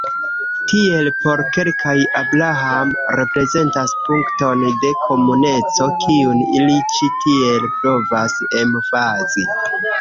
Tiel, por kelkaj, Abraham reprezentas punkton de komuneco, kiun ili ĉi tiel provas emfazi.